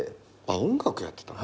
音楽やってたの？